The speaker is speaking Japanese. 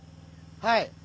はい。